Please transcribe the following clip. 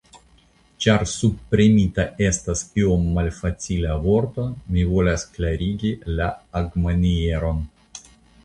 Ĉar subpremita estas iom malfacila vorto, mi volas klarigi la agmanieron.